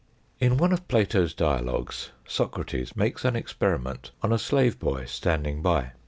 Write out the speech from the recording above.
In one of Plato's dialogues Socrates makes an experi ment on a slave boy standing by.